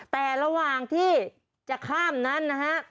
แต่ระหว่างที่จะข้ามนั้นนะฮะ